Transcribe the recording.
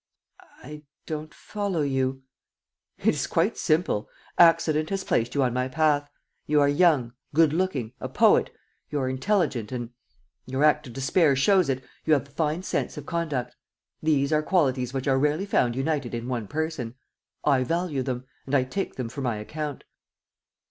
"I don't follow you." "It is quite simple. Accident has placed you on my path. You are young, good looking, a poet; you are intelligent and your act of despair shows it you have a fine sense of conduct. These are qualities which are rarely found united in one person. I value them ... and I take them for my account."